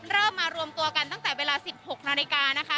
เริ่มมารวมตัวกันตั้งแต่เวลา๑๖นาฬิกานะคะ